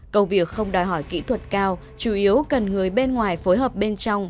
công việc không đòi hỏi kỹ thuật cao chủ yếu cần người bên ngoài phối hợp bên trong